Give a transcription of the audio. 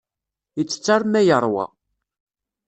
Ittett arma yeṛwa.